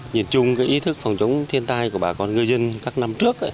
nhìn chung cái ý thức phòng chống thiên tai của bà con người dân các năm trước